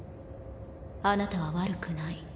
あなたは悪くない。